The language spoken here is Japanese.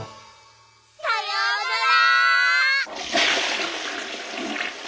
さようなら！